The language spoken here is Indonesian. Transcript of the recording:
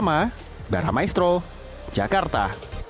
jangan lupa like share dan subscribe ya